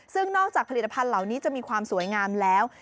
ซึ่งนอกจากผลิตภัณฑ์เหล่านี้จะมีความสวยงามแล้ว